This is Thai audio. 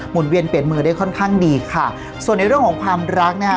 เวียนเปลี่ยนมือได้ค่อนข้างดีค่ะส่วนในเรื่องของความรักนะคะ